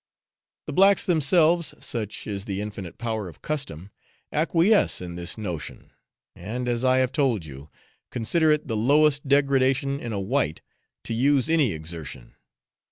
The blacks themselves such is the infinite power of custom acquiesce in this notion, and, as I have told you, consider it the lowest degradation in a white to use any exertion.